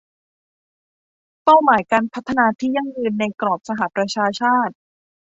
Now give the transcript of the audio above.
เป้าหมายการพัฒนาที่ยั่งยืนในกรอบสหประชาชาติ